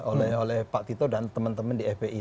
oleh pak tito dan teman teman di fpi